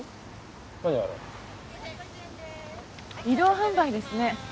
移動販売ですね。